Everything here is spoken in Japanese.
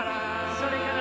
「それから」